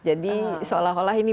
jadi seolah olah ini